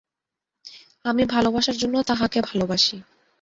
আমি ভালবাসার জন্য তাঁহাকে ভালবাসি।